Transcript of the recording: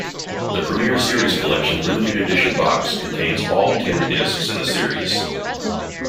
The Premier Series Collection Limited Edition Box contains all ten discs in the series.